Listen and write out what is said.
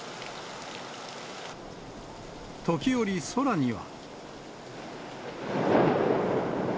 時折、空には。